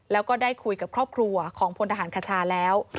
แล้วก็ได้คุยกับครอบครัวของพลทหารคชาแล้ว